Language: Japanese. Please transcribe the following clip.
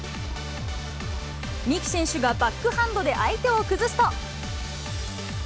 三木選手がバックハンドで相手を崩すと。